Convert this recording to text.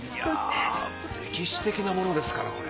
歴史的なものですからこれ。